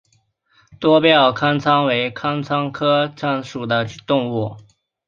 多变尻参为尻参科尻参属的动物。